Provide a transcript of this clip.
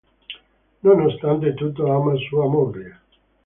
Nonostante tutto ama sua moglie.